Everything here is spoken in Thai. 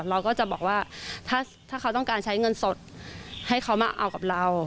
เราก็จะบอกว่าถ้าเขาต้องการใช้เงินสดให้เขามาเอากับเรา